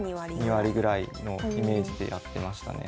２割ぐらいのイメージでやってましたね。